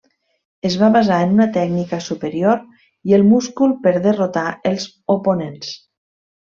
Es va basar en una tècnica superior i el múscul per derrotar els oponents.